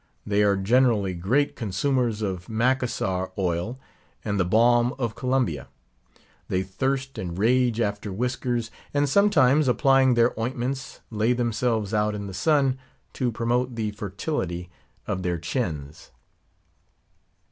They are generally great consumers of Macassar oil and the Balm of Columbia; they thirst and rage after whiskers; and sometimes, applying their ointments, lay themselves out in the sun, to promote the fertility of their chins.